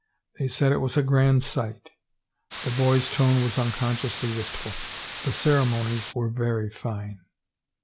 They said it was a grand sight." The boy's tone was unconsciously wistful. "The ceremonies were very fine."